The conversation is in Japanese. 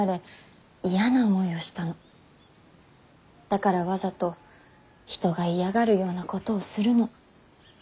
だからわざと人が嫌がるようなことをするの。